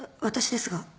私ですが。